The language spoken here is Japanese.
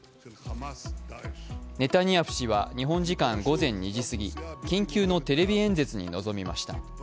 ネタニヤフ氏は日本時間午前２時すぎ緊急のテレビ演説に臨みました。